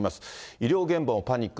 医療現場もパニック。